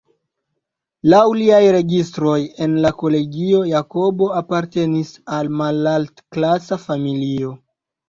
Laŭ liaj registroj en la kolegio, Jakobo apartenis al malalt-klasa familio.